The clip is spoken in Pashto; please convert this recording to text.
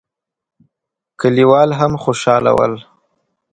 کليوال هم خوشاله ول.